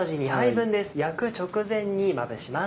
焼く直前にまぶします。